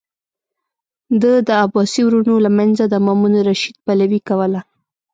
ده د عباسي ورونو له منځه د مامون الرشید پلوي کوله.